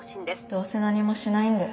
どうせ何もしないんだよ。